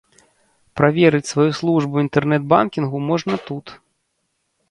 Праверыць сваю службу інтэрнэт-банкінгу можна тут.